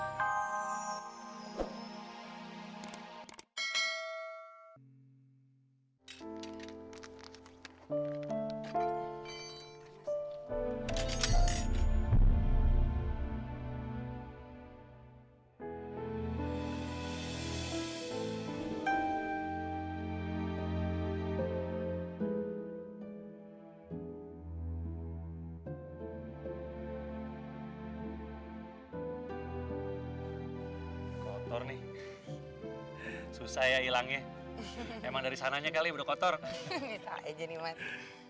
hai kotor nih susah ya ilangnya emang dari sananya kali berkotor ini aja nih mati